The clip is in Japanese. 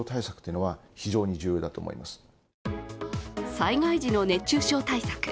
災害時の熱中症対策